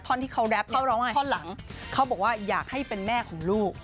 ที่เขาแรปเขาร้องท่อนหลังเขาบอกว่าอยากให้เป็นแม่ของลูก